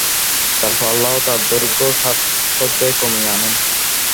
তারপর আল্লাহ তাঁর দৈর্ঘ্য ষাট হাতে কমিয়ে আনেন।